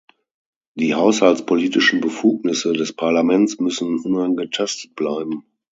Die haushaltspolitischen Befugnisse des Parlaments müssen unangetastet bleiben!